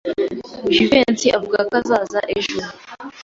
Jivency avuga ko azaza ejo.